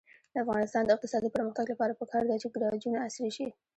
د افغانستان د اقتصادي پرمختګ لپاره پکار ده چې ګراجونه عصري شي.